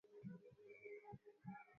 Bonde hili maana yake ni eneo lote